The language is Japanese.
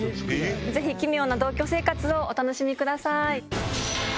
ぜひ奇妙な同居生活をお楽しみください。